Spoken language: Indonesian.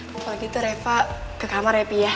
kalau gitu reva ke kamar ya pip ya